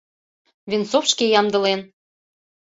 Венцов шке ямдылен.